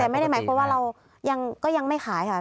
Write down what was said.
แต่ไม่ได้หมายความว่าเราก็ยังไม่ขายค่ะ